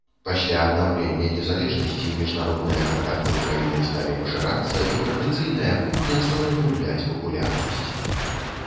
Пасля аднаўлення незалежнасці міжнародныя кантакты краіны сталі пашырацца, і традыцыйная кухня стала губляць папулярнасць.